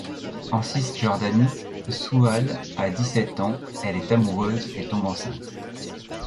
En Cisjordanie, Souad a dix-sept ans, elle est amoureuse et tombe enceinte.